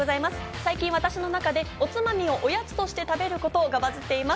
最近私の中でおつまみをおやつとして食べることがバズっています。